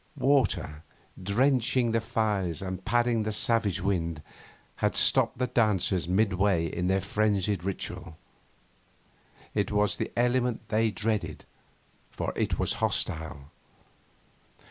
Water, drenching the fires and padding the savage wind, had stopped the dancers midway in their frenzied ritual. It was the element they dreaded, for it was hostile.